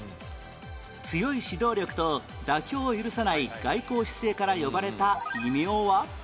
強い指導力と妥協を許さない外交姿勢から呼ばれた異名は？